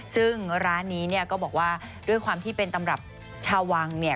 ซึ่งร้านนี้เนี่ยก็บอกว่าด้วยความที่เป็นตำรับชาววังเนี่ย